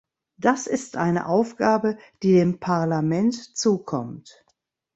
Das ist eine Aufgabe, die dem Parlament zukommt.